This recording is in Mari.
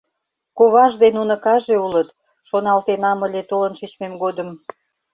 «Коваж ден уныкаже улыт», — шоналтенам ыле толын шичмем годым.